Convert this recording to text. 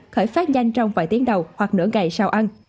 khởi phát nhanh trong vài tiếng đầu hoặc nửa ngày sau ăn